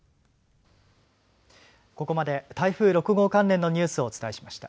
ここまで台風６号関連のニュースをお伝えしました。